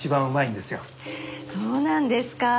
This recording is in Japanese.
へえそうなんですか。